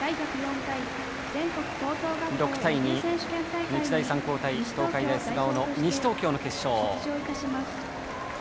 ６対２日大三高対東海大菅生の西東京の決勝。